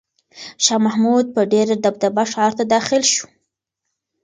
شاه محمود په ډېره دبدبه ښار ته داخل شو.